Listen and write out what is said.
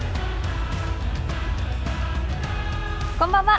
こんばんは。